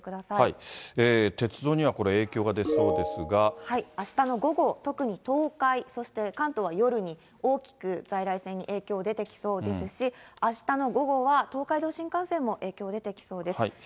鉄道にはこれ、影響が出そうあしたの午後、特に東海、そして関東は夜に、大きく在来線に影響出てきそうですし、あしたの午後は東海道新幹線も影響出てきそうです。